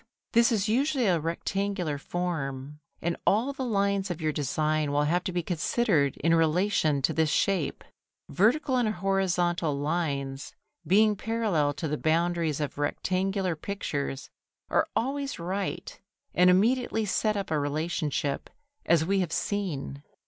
This is usually a rectangular form, and all the lines of your design will have to be considered in relation to this shape. Vertical and horizontal lines being parallel to the boundaries of rectangular pictures, are always right and immediately set up a relationship, as we have seen.